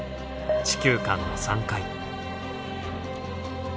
地球館の３階。